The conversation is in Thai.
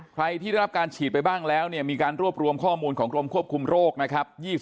ใครที่ได้รับการฉีดไปบ้างแล้วเนี่ยมีการรวบรวมข้อมูลของกรมควบคุมโรคนะครับ